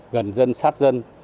gần dân sát dân